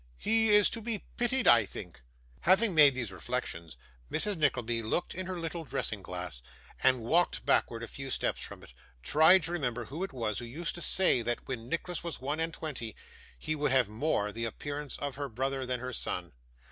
He is to be pitied, I think!' Having made these reflections, Mrs. Nickleby looked in her little dressing glass, and walking backward a few steps from it, tried to remember who it was who used to say that when Nicholas was one and twenty he would have more the appearance of her brother than her son.